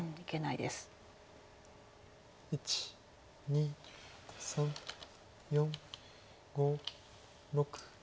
１２３４５６。